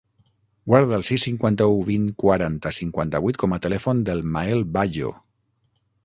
Guarda el sis, cinquanta-u, vint, quaranta, cinquanta-vuit com a telèfon del Mael Bajo.